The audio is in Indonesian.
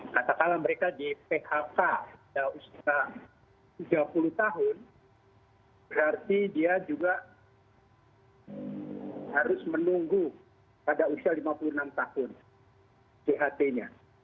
katakanlah mereka di phk usia tiga puluh tahun berarti dia juga harus menunggu pada usia lima puluh enam tahun jht nya